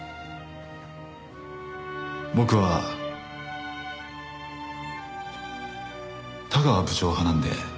僕は田川部長派なんで。